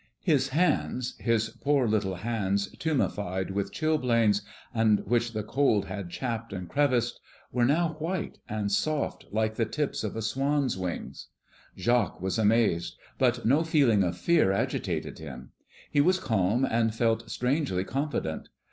His hands his poor little hands, tumefied with chilblains, and which the cold had chapped and creviced, were now white and soft like the tips of a swan's wings. Jacques was amazed, but no feeling of fear agitated him. He was calm and felt strangely confident.